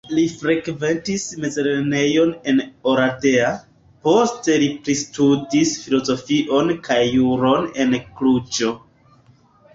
Li frekventis mezlernejon en Oradea, poste li pristudis filozofion kaj juron en Kluĵo.